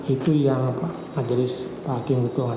itu yang pak jelis pak hakim butuh katakan